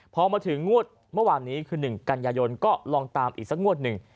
พอมาถึงงวดเมื่อวานนี้คือ๑กันยายนก็ลองตามอีกสักงวดหนึ่ง